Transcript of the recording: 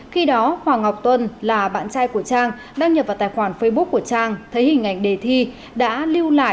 khi đó hoàng ngọc tuân là bạn trai của trang đăng nhập vào tài khoản facebook của trang thấy hình ảnh đề thi đã lưu lại và đăng tải